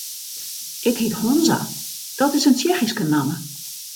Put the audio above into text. Ik hyt Honza, dat is in Tsjechyske namme.